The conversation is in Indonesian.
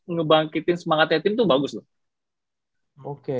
ngebangkitin semangatnya tim tuh bagus loh